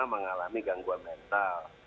mengalami gangguan mental